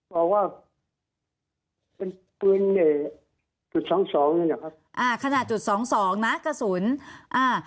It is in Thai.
บอกว่าเป็นปืนใหญ่จุดสองสองนี่แหละครับอ่าขนาดจุดสองสองนะกระสุนอ่า